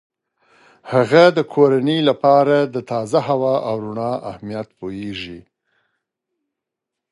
هغه د کورنۍ لپاره د تازه هوا او رڼا اهمیت پوهیږي.